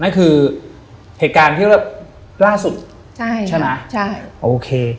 นั่นคือเหตุการณ์ที่เรียบร้านสุดใช่ไหมใช่โอเค